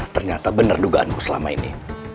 ternyata benar dugaanku selama ini